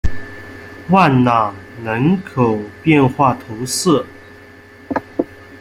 万让人口变化图示